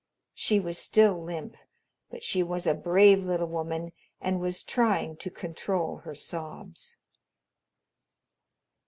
She was still limp, but she was a brave little woman and was trying to control her sobs.